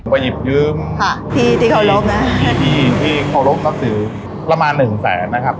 ไปหยิบยืมค่ะที่ที่เคารพนะที่ที่เคารพนับถือประมาณหนึ่งแสนนะครับ